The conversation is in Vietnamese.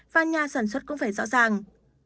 và nhà sản xuất cũng phải rõ ràng